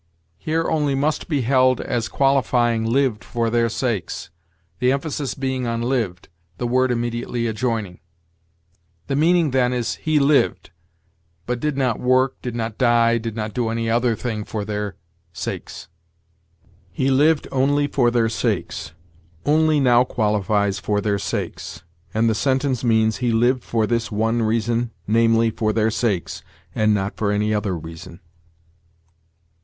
Here only must be held as qualifying 'lived for their sakes,' the emphasis being on lived, the word immediately adjoining. The meaning then is 'he lived,' but did not work, did not die, did not do any other thing for their sakes. "'He lived only for their sakes.' Only now qualifies 'for their sakes,' and the sentence means he lived for this one reason, namely, for their sakes, and not for any other reason.